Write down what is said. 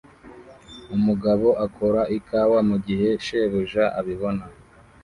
Umugabo akora ikawa mugihe shebuja abibona